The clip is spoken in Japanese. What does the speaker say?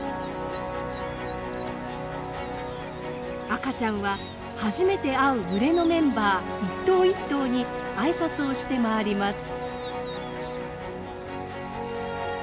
赤ちゃんは初めて会う群れのメンバー１頭１頭に挨拶をして回ります。